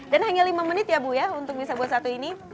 dan hanya lima menit ya bu ya untuk bisa buat satu ini